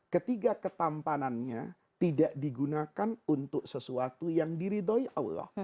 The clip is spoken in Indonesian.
ketiga ketampanannya tidak digunakan untuk sesuatu yang diridhoi allah